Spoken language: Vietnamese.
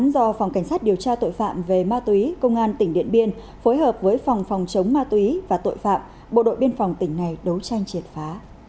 do phòng cảnh sát điều tra tội phạm về ma túy công an tỉnh điện biên phối hợp với phòng phòng chống ma túy và tội phạm bộ đội biên phòng tỉnh này đấu tranh triệt phá